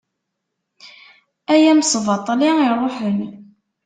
Ay amesbaṭli iṛuḥen.